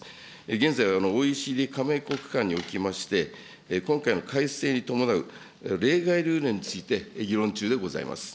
現在はＯＥＣＤ加盟国間におきまして、今回の改正に伴う例外ルールについて、議論中でございます。